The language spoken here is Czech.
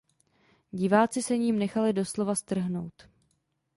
Diváci se ním nechali doslova strhnout.